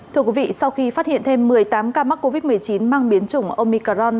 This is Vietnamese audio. thưa quý vị sau khi phát hiện thêm một mươi tám ca mắc covid một mươi chín mang biến chủng omicaron